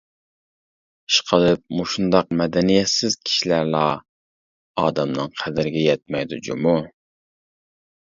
ئىشقىلىپ مۇشۇنداق مەدەنىيەتسىز كىشىلەرلا ئادەمنىڭ قەدرىگە يەتمەيدۇ جۇمۇ.